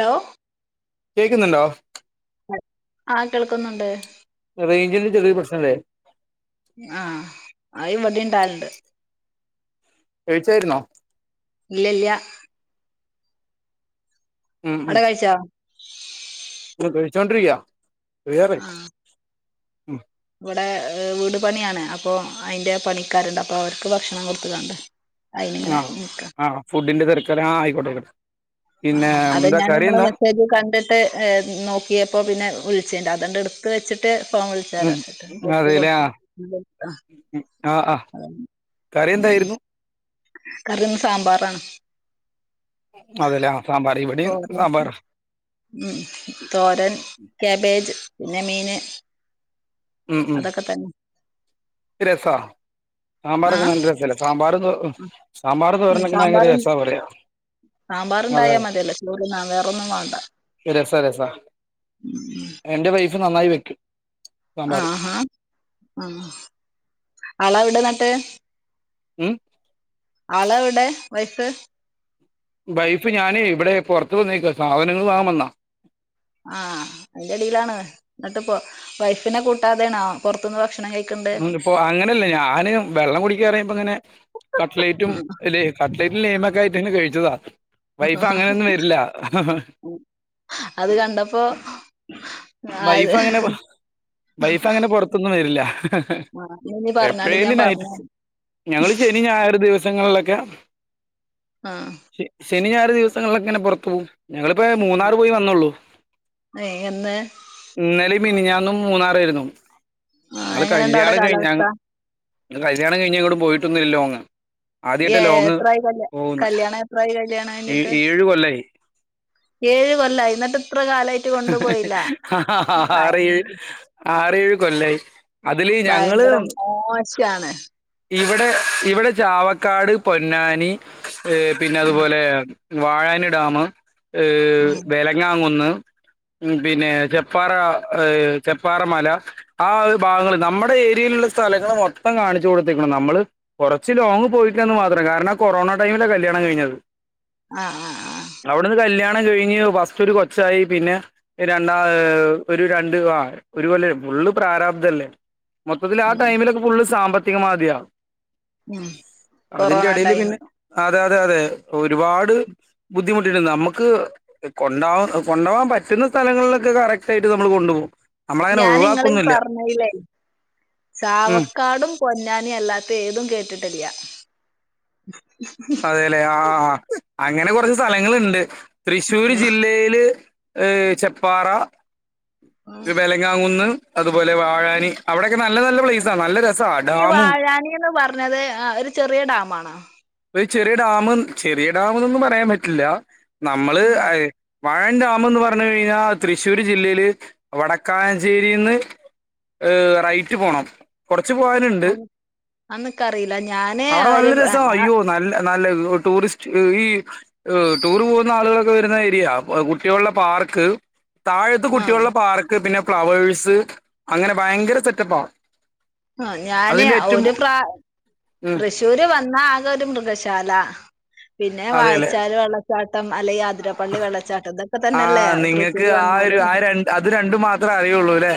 Hello കേൾക്കുന്നുണ്ടോ ആഹ്കേൾക്കുന്നുണ്ട് റേഞ്ചിന് ചെറിയ ഒരു പ്രശ്നംണ്ടേയ് ആഹ് അത് ഇവിടെ ഉണ്ടാവലണ്ട് കഴിച്ചായിരുന്നോ ഇല്ലല്ല അവടക്കഴ്ച്ചൊ കഴിച്ചോണ്ടിരിക്കയാ കയ്യാറായി ആഹ് ഇവിടെ വീട് പണിയാണ് അപ്പൊ അതിന്റെ പണിക്കാരുണ്ട് അപ്പൊ അവർക്ക് ഭക്ഷണം കൊടുത്തുങ്ങാണ്ട് ആഹ് ആഹ് ഫുഡിന്റെ തിരക്കാല ആ ആയിക്കോട്ടെഅയിക്കൊട്ടെ ആ അതെ ഞാൻ നിങ്ങള് മെസ്സേജ് കണ്ടിട്ട് ഏ നോക്കിയപ്പോ പിന്നെ വിളിച്ചേണ്ട് അതണ്ട്ടു ത്തു വെച്ചിട്ട് ഫോൺ ഉം വിളിച്ചാലോച്ചിട്ട് ഓൽക്ക് കൊടുത്തിട്ട് ആഹ്ആഹ് കറി എന്തായിരുന്നു കറി ഇന്ന് സാമ്പാറാണ് അതല്ലേ ആഹ് സാമ്പാർ ഇവടീം സാമ്പാറാ ഉ തോരൻ കായാബേജ് പിന്നെ മീന് ഉം ഉം അതൊക്കെ തന്നെ രസാ സാമ്പാറൊക്കെ ആഹ് നല്ല രസല്ല സാമ്പാറും സാമ്പാർ തോരനൊക്കെ ഭയങ്കര രസാ പറയാ സാമ്പാറണ്ടായാൽ മതിയല്ലൊ ചോറ്ന്ന വേറൊ ഒന്നും വേണ്ട രസ രസ എന്റെ വൈഫ് നന്നായി വെക്കും സാമ്പാറും ആഹ് ആളാവിടെന്നട്ട് ഉം ആളെ ഇവിടെ വൈഫ്‌ വൈഫ് ഞാന് ഇവിടെ പുറത്ത വന്നേക്ക സാധനങ്ങൾ വാങ്ങ വന്നാ ആഹ് അതിന്റെറെടിയിലാണ് എന്നിട്ടിപ്പോ വൈഫിനെ കൂട്ടാതെയണോ പുറത്തനിന്ന് ഭക്ഷണം കഴി ഇപ്പൊ അങ്ങനെയല്ലേ ഞാന് വെള്ളം കുടിക്കനെറിങ്ങിയുമ്പ അങ്ങനെ കട്ട്ലേറ്റും ഉം. ഇല്ല കട്ടലേറ്റിൽ നെയ്മ ഒക്കെ ആയിട്ടെ കഴിച്ചതാ വൈഫ് അങ്ങനെയൊന്നും വരില്ല അത് കണ്ടപ്പോ അത് വൈഫ അങ്ങനെ പുറത്തൊന്നും വരില്ല ആ, നീ പറഞ്ഞാണ്ട് എപ്പോഴേല ഞാൻ പറഞ്ഞു ഞങ്ങള് ശ ശെനി ഞായർ ദിവസങ്ങളിലൊക്കെ ആഹ് ശ ശനി ഞാറ് ദിവസങ്ങളിലക്കെങ്ങനെ പുറത്തു പോകവും ഞങ്ങളിപ്പോ മൂന്നാറ് പോയി വന്നള്ളു ഏ, എന്ന് ഇന്നലെ മിനിഞാന്നും മൂന്നാറായിരുന്നു ആ നിങ്ങള് എങ്ങനെണ്ട് അവിടെ കല്യാണം കഴിഞ്ഞ കാലാവസ്ഥ കല്യാണം കഴിഞ്ഞ് എങ്ങട്ടും പോയിട്ടൊന്നില്ലല്ലോന്ന് ഏഹ് എത്രായി കല് കല്യാണം എത്രായി കല്യാണം കഴിഞ്ഞിട്ട് ഏഴ് കൊല്ലായി ഏഴ് കൊല്ലായി ന്നിട്ട് ഇത്ര കാലായി ആ ആറ് ആറേഴു കൊല്ലായി അതില് ഞങ്ങള് ഭയങ്കര മോശാണ് ഇവിടെ ഇവിടെ ചാവക്കാട് പൊന്നാനി പിന്നെ ഉം അതുപോലെ വാഴാനി ഡാം ഹ് ഉം വെലങ്ങാകുന്ന് ഉം പിന്നെ ചെപ്പാറ ചെപ്പാറ മല ആ ഭാഗങ്ങള് നമ്മുടെ ഏരിയയിലുള്ള സ്ഥലങ്ങള് മൊത്തം കാണിച്ചു കൊടുത്തേക്ക്ണ് നമ്മള് കുറച്ച് ലോങ്ങ് പോയിട്ടില്ലന്ന് മാത്രം കാരണം കൊറോണ ടൈമില കല്യാണം കഴിഞ്ഞത് ആഹ് ആഹ് അവിടുന്ന് കല്യാണം കഴിഞ്ഞ് ഫസ്റ്റൊരു കൊച്ചായി പിന്നെ രണ്ടാ ഒരു രണ്ട് ആ ഒരു കൊല്ലം ഫുള്ള് പ്രാരാബ്ദല്ലേ മൊത്തത്തിൽ ആ ഉം ടൈമിലൊക്കെ ഫുള്ള് സാമ്പത്തികമാദ്യാ ഉം അതിന്റെ കൊറോണ എടയില് ടൈമ് പിന്നെ അതെ അതെ അതെ ഒരുപാട് ബുദ്ധിമുട്ടി നമുക്ക് കൊണ്ടാ കൊണ്ടാകാൻ പറ്റുന്ന സ്ഥലങ്ങളിലൊക്കെ കറക്റ്റ് ആയിട്ട് നമ്മൾ കൊണ്ടു പോകും. ഞാൻ ഇങ്ങളെ പറഞ്ഞില്ലേയ് ഉം ചാവക്കാടും പൊന്നാനി അല്ലാത്ത ഏതും കേട്ടിട്ടില്ല അതെല്ലേ ആ ആഹ് അങ്ങനെ കുറച്ച് സ്ഥലങ്ങളുണ്ട് തൃശ്ശൂര് ജില്ലയില് ചെപ്പാറ വേലങ്ങാങ്ങുന്ന് അതുപോലെ വാഴാനി അവിടെക്കെ നല്ല നല്ല പ്ലേസ് ആ നല്ല രസ ഈ വാഴാനിന്ന് പറഞ്ഞത് ഒരു ചെറിയ ഡാമാണോ? ഒരു ചെറിയ ഡാം ചെറിയ ഡാം എന്നൊന്നും പറയാൻ പറ്റില്ല നമ്മള് അ ഉം വാഴൻ ഡാം എന്ന് പറഞ്ഞു കഴിഞ്ഞാൽ തൃശ്ശൂർ ജില്ലയില് വടക്കാഞ്ചേരിന്ന് റൈറ്റ് പോണം കുറച്ച് പോവാനുണ്ട് അന്നക്കറിയില്ല ഞാന് അവിടെ ഒരു നല്ല രസ ആഹ് ഇ നല്ല നല്ല ടൂറിസ്റ്റ് ഈ ടൂർ പോകുന്ന ആളുകളൊക്കെ വരുന്ന ഏരിയ കുട്ടികളുടെ പാർക്ക് താഴത്ത് കുട്ടികളുടെ പാർക്ക് പിന്നെ ഫ്ലവേഴ്സ് അങ്ങനെ ഭയങ്കര സെറ്റപ്പ ആഹ് ഞാന് ഒരു പ്ര തൃ ഉം റ്റൂര് വന്നാ ആകെ ഒരു മൃഗശാല പിന്നെ അതെല്ലേ വായച്ചാല് വെള്ള ച്ചാട്ടം അല്ലെങ്ങി ആതിര പള്ളി വെള്ളച്ചാട്ടം ഇതൊക്കെ തന്നെഅല്ലേ ആഹ് നിങ്ങക്ക് തൃശൂര് ആ ഒരു വന്നാല് ആ രണ്ട് അത് രണ്ടു മാത്രേ അറിയൊള്ളൂല്ലെ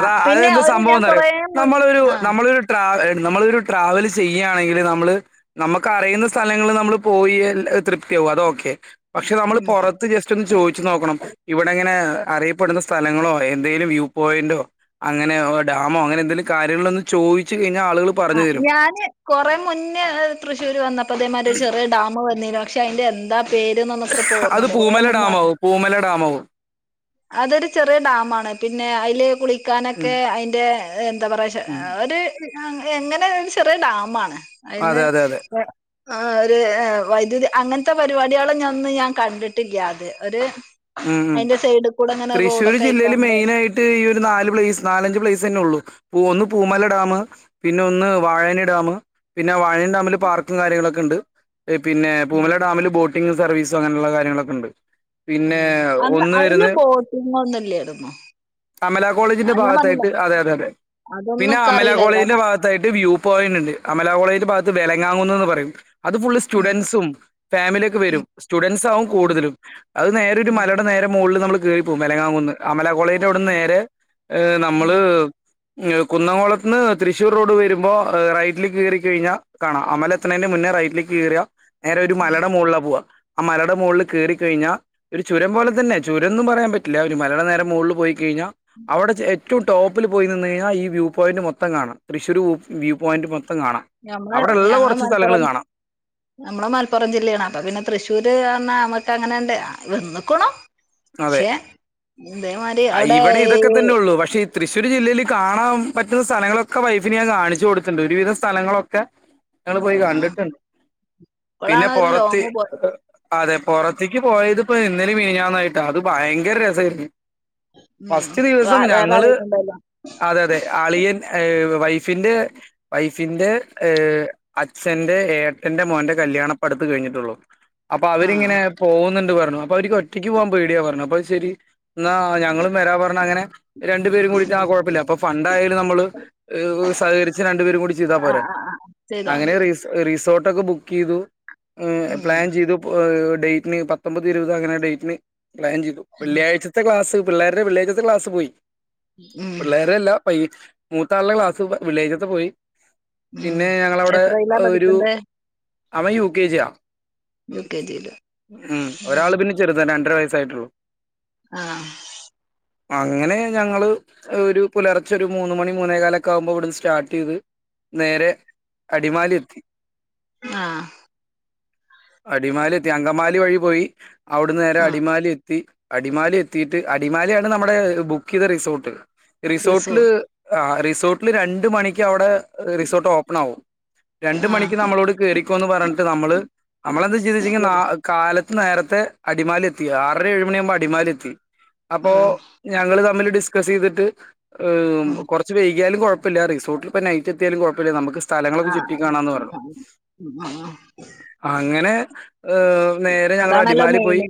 ആഹ് അത് പിന്നെ എന്താ ഒരു ഞാൻ സംഭവംന്ന് അറിയോ കൊറേ മുൻ നമ്മളൊരു ആഹ് നമ്മളൊരു ട്രാ നമ്മളൊരു ട്രാവല് ചെയ്യാണെങ്കില് നമ്മ്ള് നമ്മക്കറിയുന്ന സ്ഥലങ്ങള് നമ്മ്ള് പോയിയെൽ അഹ് തൃപ്തിയാവും അത് ഓക്കെ പക്ഷെ നമ്മള് ഉം പൊറത്ത് ജസ് സ്റ്റ് ഒന്ന് ചോയിച്ച് നോക്കണം ഇവടെങ്ങനെ അറിയപ്പെടുന്ന സ്ഥലങ്ങളോ എന്തേലും വ്യൂ പോയന്റോ അങ്ങനെയൊ ഓ ഡാമോ അങ്ങനെ എന്തേലും കാര്യങ്ങള് ഒന്ന് ച്ചോയിച്ച് കഴിഞ്ഞാ ആള്കള് ആഹ് ഞാന് കൊറെ മുന്നേ തൃശൂര് വന്നപ്പോ ഇതേമാരി ഒരു ചെറിയ ഡാം വന്നിനോ പക്ഷെ അയിന്റെ എന്താ പേര്ന്നൊന്നു ഇക്ക്പ്പ അത് ഓർമ്മല്ല്യാ കുറേ പൂമല മുന്നെ ആണ് ഡാമാവും പൂമല ഡാമാവും അതൊരു ചെറ്യേ ഡാമാണ് പിന്നെ അയ്ല് ഉം കുളിക്കാനൊക്കെ അയ്ന്റെ എ എന്താ പറയാച്ച ഉം ഒര് എഹ് എങ്ങനെ അഹ് ചെറ്യെ ഒര് ഡാമാണ് അയ്ന്ന് അതെ അതെ അതെ ഇങ്ങനെ അഹ് ഒര് എഹ് വൈദ്യുതി അങ്ങൻത്തെ പരിപാടിയാള്ഞന്ന് ഞാൻ കണ്ടിട്ട്ല്ല്യ അത് ഒര് ഉം ഉം അയ്ന്റെ സെയ്‌ഡ്ക്കൂടെ ഇങ്ങനെ റോഡൊക്കെ അയ്ക്കാണ്ട് ട്ട് ഒരു നാല് പ്ലേസ് നാലഞ്ച് പ്ലെയ്സന്നെ ഉള്ളൂ പൂ ഒന്ന് ഉം പൂമല ഡാമ് പിന്നെ ഒന്ന് വാഴനി ഡാമ് പിന്നെ വാഴനിഡാമില് പാർക്കും കാര്യങ്ങളൊക്കെണ്ട് എഹ് പിന്നെ ഉം, പൂമല ഡാമില് ബോട്ടിംഗ് സർവീസ് അങ്ങനെള്ള കാര്യങ്ങളൊക്കെ ഇണ്ട് ഉം അന്ന് അയ്ല് ബോട്ടിങ്ങൊന്നു ഇല്ലേര്ന്നു അമല കോളേജിന്റെ ഭാഗത്തായിട്ട് അതെ അതെ അതെ അതൊന്നും പിന്നെ ഇക്ക് അമല അറിയില്ല കോളേജിന്റെ ഭാഗത്ത് ത്തായിട്ട് വ്യൂ പോയന്റ് ഉണ്ട് അമലാകോളേജിന്റെ ഭാഗത്ത് വെലങ്ങാങ്ങുന്ന്ന്ന് പറയും അത് ഫുള്ള് ഉം സ്റ്റുഡൻസും ഫാമിലിയൊക്കെ വെരും ഉം സ്റ്റുഡൻസാവും കൂടുതലും. അത് നേരെ ഒരു ഉം മലയ്ടെ നേരെ മോൾള് നമ്മള് കേറിപ്പോവും വെലങ്ങാങ്ങുന്ന് അമല കോളേയ് ന്റെ അവ്ട്ന്ന് ഉം നേരെ എഹ് ഉം നമ്മള് ങ്ങ് ഹ് കുന്നംകൊളത്ത്ന്ന് തൃശ്ശൂർ റോഡ് വെരുമ്പോ ഹ് റൈറ്റില് കേറിക്കഴിഞ്ഞാ കാണാ അമലെ ത്ത്ണേന്റെ മുന്നെ റൈറ്റ്ലേക്ക് കേറാ നേരെ ഒരു ഉം മലടെ മോൾളാ പോവാ ആ മലടെ മോൾള് കേറി കഴിഞ്ഞാ ഒരു ചുരം പോലെ തന്നെ ചുരംന്നും പറയാൻ പറ്റ്ല്ല ഒരു മലയ്ടെ നേരെ മോൾള് പോയി കെയ്ഞ്ഞാ അവടെ ചെ എ റ്റവും ട്ടോപ്പ്ല് പോയി നിന്ന് കൈഞ്ഞാ ഈ വ്യൂ പോയിന്റ് മൊത്തം കാണാം തൃശൂര് വു വ്യൂ പോയന്റ് മൊത്തം കാണാ. ഞമ്മള് അവ്ടെള്ള ഞങ്ങള് കൊർച്ച് സ്ഥലങ്ങള് മലപ്പുറം കാണാ. നമ്മള് മൽപ്പൊറം ജില്ലേണ് അപ്പൊ പിന്നെ തൃശ്ശൂര് വന്നാ അമ്മക്ക് അങ്ങനേണ്ട് വന്ന്ക്ക്ണു. അതെ പക്ഷെ ഇന്തേമാരി അവ്‌ടെ ഈ തൃശ്ശൂര് ജില്ലയില് കാണാം പറ്റ്ന്ന സ്ഥലങ്ങളൊക്കെ വൈഫിന് ഞാൻ കാണിച്ചു കൊടുത്ത്ണ്ട് ഒരുവിധം സ്ഥലങ്ങളൊക്കെ. ങ്ങള് പോയി ആ കണ്ടിട്ട്ണ്ട് പിന്നെ ഇപ്പളാണ് ഒരു പൊറത്ത് ലോങ് പോയത് എഹ് അതെ പൊറത്തിക്ക് പോയത് ഇപ്പൊ ഇന്നലിം മീനിഞ്ഞാന്നു ആയിട്ടാ അത് ഭയങ്കര രസേയ്ര്ന്നു. ഉം ഫസ്റ്റ് ദിവസം വേറെ ഞങ്ങള്. ആരെങ്കിലും ഉണ്ടല്ലോ അതെ അതെ അളിയൻ എഹ് വൈഫിന്റെ വൈഫിന്റെ എഹ് അച്ഛന്റെ ഏട്ടന്റെ മോന്റെ കല്യാണം ഇപ്പട്ത്ത് കയ്ഞ്ഞ്ട്ടൊള്ളു. [inaudible] അപ്പ ആഹ് അവരിങ്ങനെ പോവുന്നുണ്ട് പർഞ്ഞു അപ്പൊ അവര്ക്ക് ഒറ്റക്ക് പോവാ പേടിയാ പർഞ്ഞു അപ്പൊഹ് ശെരി ഇന്നാ ഞങ്ങളും വെരാ പർഞ്ഞഅങ്ങനെ രണ്ടു പേരും കൂടിട്ട് ആഹ് കൊഴപ്പല്ല്യാ അപ്പൊ ഫണ്ടായാലും നമ്മള്. ഇഹ് സഹകരിച്ച് രണ്ടുപേരും കൂടി ചെയ്താ ആഹ് പോരെ. ആഹ് ആഹ് ചെയ്താ മതി ഹ് റിസോട്ടൊക്കെ ബുക്കെയ്തു ഇഹ് ഉം പ്ലാൻ ചെയ്തു. പ് ഏഹ് ഡെയ്റ്റിന് പത്തൊമ്പത്, ഇരുവത് അങ്ങനെ ഡെയ്റ്റിന് പ്ലാൻ ചെയ്തു വെള്ള്യായ്ച്ച ത്തെ ക്ലാസ്സ് പിള്ളേര്ടെ വെള്ള്യായ്ച്ചത്തെ ക്ലാസ്സ് പോയി ഉം പിള്ളേരല്ല വൈ മൂത്താള്ടെ ക്ലാസ് വെ വെള്ള്യയ്ച്ചത്തെ പോയി ഉം പിന്നെ ഞങ്ങളവടെ എത്രയിലാ ഒരു. പഠിക്കണ്ടേ അവൻ യു കെ ജിയാ യു കെ ജിയില് ഉം ഉം ഒരാള് പിന്നെ ചെർതാ രണ്ടര വയസ്സായിട്ടുള്ളൂ. ആഹ്. അങ്ങനെ ഞങ്ങള്. ഒരു പുലർച്ചെ ഒരു മൂന്ന് മണി മൂന്നേ കാലൊക്കെ ആവുമ്പോ ഇവ്ട്ന്ന് സ്റ്റാട്ടെയ്ത് നേരെ. അടിമാലി എത്തി. ആഹ്. അടിമാലി എത്തി അങ്കമാലി വഴി പോയി അവ്ട്ന്ന് നേരെ ആഹ് അടിമാലി എ ത്തി അടിമാലി എത്തിയിട്ട് അടിമാലിയാണ് നമ്മുടെ ബുക്കെയ്ത റിസോട്ട് റിസോട്ട്ൽ. റിസോർ ആഹ് റിസോട്ട്ൽ രണ്ട് മണിക്ക് അവ്ടെ ഹ് റിസോട്ട് ഓപ്പണാവും. രണ്ട് ആഹ് മണിക്ക് നമ്മളോട് കേറിക്കോന്ന് പറഞ്ഞ്ട്ട് നമ്മള് നമ്മളെന്താ ചെയ്തെച്ചെങ്ക് നാ ശരി ഹ്. കാലത്ത് നേരത്തെ അടിമാലി എത്തി ആറര ഏഴുമണിയാവുമ്പോ അടിമാലി എത്തി. അപ്പോ ആഹ് ഞങ്ങള് തമ്മിൽ ഡിസ്കസെയ്തിട്ട് ഹ് ആഹ് കൊർ ച്ച്‌ വൈക്യാലും കൊഴപ്പല്ല റിസോട്ടിൽപ്പ നൈറ്റെത്തിയാലും കൊഴപ്പല്ല നമക്ക് സ് ആഹ് ഉം [unintelligible] ഹ് നേരെ ഞങ്ങൾ അടിമാലി പോയി.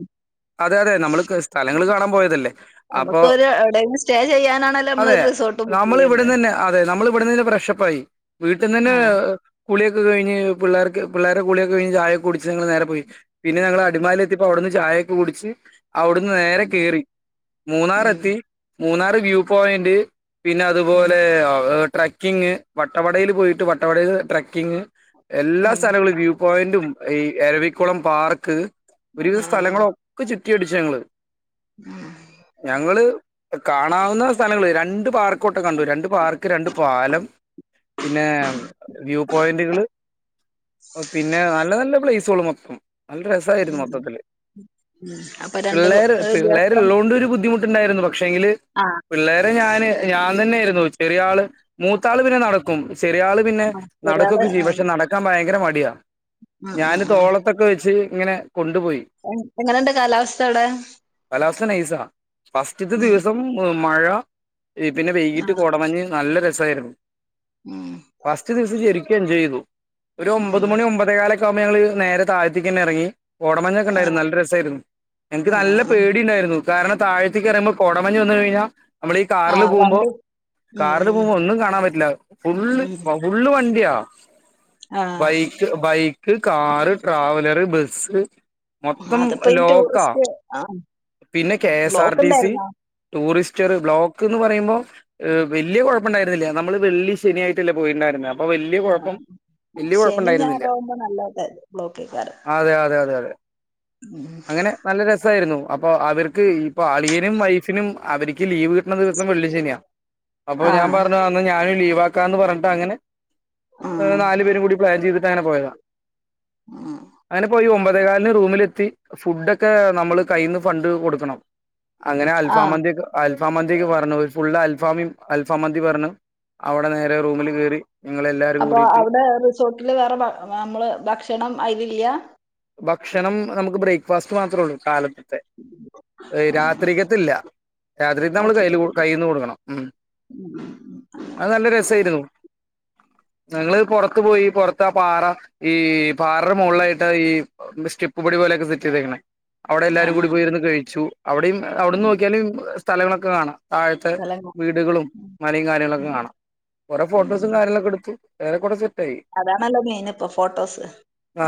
അതെ അതെ നമ്മൾ ക് സ്ഥലങ്ങള് കാണാൻ പോയതല്ലേ. അപ്പൊ നമുക്കൊരു എവിടെയെങ്കിലും സ്റ്റേ ചെയ്യാനാണല്ലോ അതെ നമ്മളൊരു റിസോർട്ട് ബുക്ക് നമ്മൾ ചെയ്യണ്ടേ. ഇവിട്ന്നന്നെ അതെ നമ്മൾ ഇവിട്ന്നന്നെ ഫ്രഷപ്പായി. വീട്ട്ന്നന്നെ. ആഹ് കുളിയാക്കെ കഴിഞ്ഞ് പിള്ളേർക്ക് പിള്ളേരെ കുളിയൊക്കെ കഴിഞ്ഞ് ചായൊക്കെ കുടിച്ച് നങ്ങള് നേരെ പോയി. പിന്നെ ഞങ്ങള് അടിമാലി എത്തിയപ്പൊ അവിട്ന്ന് ചായ ക്കെ കുടിച്ച് അവ്ട്ന്ന് നേരെ ഉം കേറി മൂന്നാറെത്തി. മൂന്നാറ് വ്യൂ പോയിന്റ് പിന്നെ ഉം അതുപോലെ ഹ് ട്ട്ര ക്കിങ്ങ് വട്ടവടയിൽ പോയിട്ട് വട്ടവടേന്ന് ട്ട്രക്കിങ് എല്ലാ ഉം സ്ഥലങ്ങളും വ്യൂ പോയിന്റും ഈ എരവിക്കുളം പാർക്ക് ഒരുവിധ ആഹ് സ്ഥലങ്ങളൊക്കെ ചുറ്റി അടിച്ചു ഞങ്ങള്. ഉം ഞങ്ങള് കാണാവുന്ന സ്ഥലങ്ങള് രണ്ട് പാർക്ക് കൊട്ട് കണ്ടു രണ്ട് പാർക്ക് രണ്ട് പാലം പിന്നെ വ്യൂ പോയിന്റുകള് പിന്നെ നല്ല നല്ല പ്ലേസുകള് മൊത്തം നല്ല രസായിരുന്നു മൊത്തത്തില് ഉം ഉം അപ്പ പിള്ളേര് പിള്ളേര് ഉള്ളത് കൊണ്ട് ഒരു ബുദ്ധിമുട്ട് ഇണ്ടായിരുന്നു പക്ഷേ എങ്കില് ആഹ് പിള്ളേരെ ഞാന് ഞാൻ തന്നെ ആയിരുന്നു ചെറിയ ആള് മൂത്താൾ പിന്നെ നടക്കും ചെറിയ ആള് പിന്നെ ആഹ് ഒരാള് നടക്കൊക്കെ ചെയ്യും ആഹ് പക്ഷെ നടക്കാൻ ഭയങ്കര മടിയാ ഉം ഞാൻ ഉം തോള ത്തൊക്കെ വെച്ച് ഇങ്ങനെ കൊണ്ടുപോയി എങ്ങനെണ്ട് കാലാവസ്ഥ അവിടെ കാലാവസ്ഥ നൈസാ ഫസ്റ്റ്ത്തെ ഉം ദിവസം മഴ [unintelligible] പിന്നെ വൈകിട്ട് ആഹ് കോടമഞ്ഞ് നല്ല രസായിരുന്നു ഉം ഫസ്റ്റ് ദിവസം ശരിക്കും എൻജോ ചെയ്തു ഒരു ഒമ്പത് ഉം മണി ഒമ്പ [unintelligible] കാല് ഒക്കെ ആകുമ്പോ ഞങ്ങള് നേരെ താഴ്ത്ത്ക്കന്നെ എറങ്ങി കോട മഞ്ഞ് ആഹ് ഒക്കെണ്ടായിരുന്നു നല്ല രസായിരുന്നു എനിക്ക് നല്ല ആഹ് പേടി ഇണ്ടായിരുന്നു കാരണം താഴത്ത്ക്ക് പറയുമ്പോ കോടമഞ്ഞ് വന്നു കഴിഞ്ഞാൽ നമ്മളീ ഈ കാറില് ആഹ് പോകുമ്പോ വണ്ടി ഉം കാറിൽ ഉം പോകുമ്പോ ഒന്നും കാണാൻ പറ്റില്ല ഫുള്ള് ഉം വൗ ഫുള്ള് വണ്ടിയാ ആഹ് വൈകി ബൈക്ക്, കാറ്, ട്രാവലർ, ബസ് ത്തം അതിപ്പോ ഈ ലോക്കാ ടൂറിസ്റ്റ് ആഹ് പിന്നെ K S R block T C ഇണ്ടായിരുന്നോ? ടൂറിസ്റ്ററ് ബ്ലോക്ക് ന്ന് പറയുമ്പോ ഏഹ് വെല്യ കൊഴപ്പം ണ്ടായിരുന്ന് ല്ല നമ്മള് വെള്ളി ശനിയായിട്ട് അല്ലേ പോയിട്ട് ണ്ടായിരുന്നെ അപ്പൊ വെല്യ കൊഴപ്പം ആഹ് വെല്യ കൊഴപ്പം ശനി ണ്ടായിരുന്ന് ല്ല ഞായറാവുമ്പോ നല്ല ബ്ലോക്കേക്കാരം അതെ അതെ അതെ അതെ ഉം അങ്ങനെ നല്ല രസായിരുന്നു അപ്പൊ അവർക്ക് ഇപ്പൊ അളിയനും വൈഫിനും അവരിക്ക് ലീവ് കിട്ടണ ദിവസം വെള്ളി ശനിയാ അപ്പൊ ഞാൻ ആഹ് പറഞ്ഞ ന്നാ ഞാനും ലീവാക്കാന്ന് പറഞ്ഞ്ട്ട് അങ്ങനെ ആഹ് നാല് പേരും കൂടി പ്ലാൻ ചെയ്തിട്ട് അങ്ങനെ പോയതാ ഉം അങ്ങനെ പോയി ഒമ്പതേ കാൽന് റൂമില് ത്തി ഫുഡൊക്കെ നമ്മള് കയ്യിന്ന് ഫണ്ട് കൊടുക്കണം അങ്ങനെ അൽഫാ ആഹ് മന്തി ഒക്കെ അൽഫാ മന്തിക്ക് പറഞ്ഞത് ഫുള്ള് അൽഫാമി അൽഫാ മന്തി പറഞ്ഞ് അവിടെ നേരെ റൂമില് കേറി ഞങ്ങള് എല്ലാരും കൂടിയിട്ട് തൊട്ടില് വേറെ ഭ വ നമ്മള് ഭക്ഷണം അയിലി ല്ല്യാ ഭക്ഷണം നമുക്ക് ബ്രേക്ക്ഫാസ്റ്റ് മാത്രോ ഒള്ളൂ കാലത്ത്ത്തെ എയ്യ് ആഹ് രാത്രിക്കത്തില്ല രാത്രിത്തെ നമ്മള് കയ്യില് രാത്രികത്തേക്ക് കയ്യീന്ന് കൊടുക്കണം ഉ ഉം ഉം അത് നല്ല രസായിരുന്നു ഞങ്ങള് പൊറത്ത് പോയി പൊറത്ത പാറ ഈ പാററ മൊളിലായിട്ട് ഈ മിസ് സ്റ്റെപ്പ് പടി പോലെ ഒക്കെ സെറ്റ് ചെയ്തേക്കെന്നെ അവിടെ ഉം അങ്ങനെ എല്ലാരും ആഹ് കൂടി ആഹ് പോയിരുന്ന് കഴിച്ചു അവിടെയും അവിടുന്ന് ഉം നോക്കിയാല് സ്ഥലങ്ങള് ഒക്കെ കാണാം താഴത്തെ സ്ഥലം കാണാൻ. വീടുകളും മലയും കാര്യങ്ങള് ഉം ഒക്കെ ഉം കാണാം കൊറേ ഉം ഫോട്ടോസും ഉം കാര്യങ്ങളും ഒക്കെ എടുത്തു എറേ കൊറേ സെറ്റ് ആയി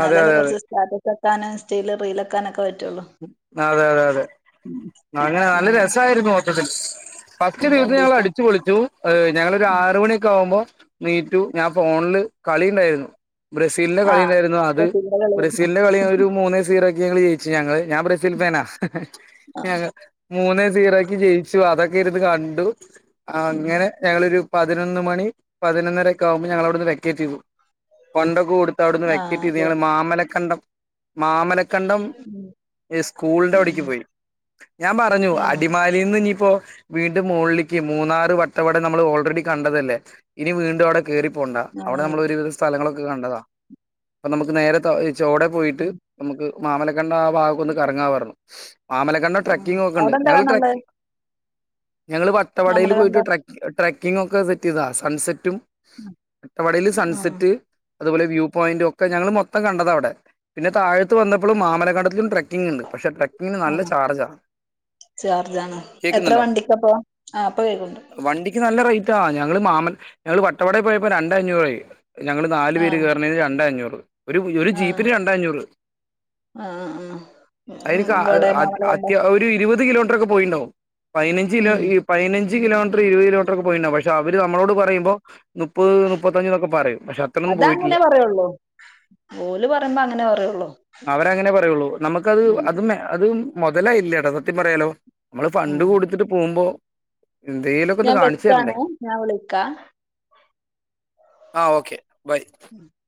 നല്ലഅല്ല കൊറച്ച് സ്റ്റാറ്റസ് വെക്കാന് സ്റ്റില് റീല് വെക്കാൻ ഒക്കെ പറ്റു വോള്ളു അതെ അതെ അതെ അങ്ങനെ നല്ല ഉം രസായിരുന്നു മൊത്തത്തിൽ ഫസ്റ്റ് ദിവസം ഞങ്ങൾ രണ്ടീസം അടിച്ച് പൊളിച്ചു ഏ ഞങ്ങള് ഒരു ഉം ആറ മണി ഒക്കെ ആകുമ്പോ നീറ്റു ഞാൻ ഫോണില് കളിണ്ടായിരുന്നു ആഹ് ബ്രസീലിന്റെ കളി എരുന്നു സീല്ന്റെ കളി ഞങ്ങള് ഒരു മൂന്നേ സീറോക്ക് ഞങ്ങള് ജയിച്ച് ഞങ്ങള് ഞാൻ ബ്രസീൽ ഫാനാ ആഹ് ഞങ മൂന്നെ സീറോ ക്ക് ജയിച്ചു അതൊക്കെ ഇരുന്ന് കണ്ടു ഉം അങ്ങനെ ഞങ്ങള് ഒരു പതിനൊന്ന് മണി പതിനൊന്നര ഒക്കെ ആവുമ്പം ഞങ്ങള് അവിടുന്ന് വെക്കേറ്റ് ചെയ്തു ഫണ്ട് ക്കെ കൊട് ത്ത അവിടുന്ന് വെക്കറ്റ് ആഹ് യ്ത് ഞങ്ങള് മാമലക്കണ്ടം മാമല കണ്ടം ഉം ഇ സ്കൂളിന്റെ അവിടേക്ക് ഉം പോയി ഞാൻ പറഞ്ഞു ആഹ് അടിമാ ലീന്ന് ഇനിയിപ്പോ വീണ്ടും മുകളിലിക്ക് മൂന്നാറ് വട്ടം വടെ നമ്മള് ഓൾറെഡി കണ്ടതല്ലേ ഇനി വീണ്ടും അവിടെ കയറി പോണ്ട അവിടെ ആഹ് നമ്മള് ഒരുവിധ സ്ഥലങ്ങളൊക്കെ കണ്ടതാ പ്പം നമുക്ക് നേരത്തെ ചോടെ പോയിട്ട് ഉം നമുക്ക് മാമലക്കണ്ണ് ആ ഭാഗക്കൊന്ന് കറങ്ങാ പറഞ്ഞു മാമലക്കണ്ട ഉം ട്രക്കിങ്ങ് ഒക്കെണ്ട് അവിടെന്താ ഞങ്ങള് കാണാനുള്ളത് ട്രക്കി ഞങ്ങള് വട്ടവടയിൽ പോയിട്ട് മാമലകണ്ടം ട്ര ട്രക്കിങ് ഒക്കെ സെറ്റ യ്താ സൺസെറ്റും വട്ടവടല് ആഹ് സൺസെറ്റ് അതുപോലെ വ്യൂ പോയിന്റ് ഒക്കെ ഞങ്ങള് മൊത്തം കണ്ടതാ അവിടെ പിന്നെ താഴത്ത് വന്നപ്പളും മാമലകണ്ടത്തിലും ട്രക്കിങ് ഉണ്ട് പക്ഷെ ട്രക്കിങ്ങിന് നല്ല ആഹ് ചാർജാ ചാർജ് ആണ് എത്ര കേൾക്കുന്നുണ്ടോ വണ്ടിക്കപ്പോ ആ ഇപ്പൊ കേക്ക്ണ്ട് വണ്ടിക്ക് നല്ല റേറ്റാ ഞങ്ങള് മാമ ഞങ്ങള് വട്ടവട പോയപ്പോ രണ്ട് അഞ്ഞൂറായി ഞങ്ങള് നാലു പേര് ആഹ് കേറ് ണേന് രണ്ടേ അഞ്ഞൂറ് ഒരു ഒരു ആഹ് ജീപ്പിന് രണ്ടേ അഞ്ഞൂറ് ആഹ് അതിന് ആഹ് കാ ഇവിടെ മാമല കണ്ടം അത്യ ഒരു ഇരുപത് കിലോമീറ്റർ ഒക്കെ പോയിണ്ടാകും പയിനഞ്ച് ലോ ഉം ഈ പയിനഞ്ച് കിലോമീറ്റർ ഇരുപത് കിലോമീറ്റർ ഒക്കെ പോയിണ്ടാവും പക്ഷ അവര് നമ്മളോട് പറയുമ്പോ മുപ്പത് മുപ്പത്തഞ്ച് ന്നൊക്കെ പറയും പക്ഷെ അത്രൊന്നും പോയിട്ടില്ല അത്രേള്ളൂ ഓല് പറയുമ്പ അങ്ങനെ പറയുള്ളൂ അവരങ്ങനെ പറയുള്ളൂ നമുക്കത് ഉം അതും അത് മോതലായില്ലട്ടോ സത്യം പറയാലോ നമ്മള് ഫണ്ട് ഉം കൊടുത്തിട്ട് പോവുമ്പോ എന്തേലൊക്കെ ഒന്ന് ഞാൻ കാണിച്ചു തരണ്ടേ വെക്കാണേ ഞാൻ വിളിക്കാ ആഹ് ഓക്കെ ബൈ [inaudible]